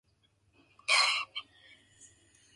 I thought that was an inspiring image.